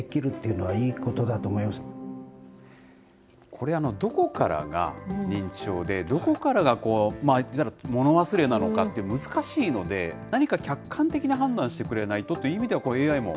これ、どこからが認知症で、どこからが物忘れなのかって難しいので、何か客観的に判断してくれないとという意味では、こういうＡＩも